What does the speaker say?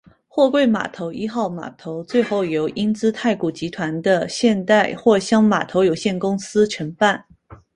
货柜码头一号码头最后由英资太古集团的现代货箱码头有限公司承办。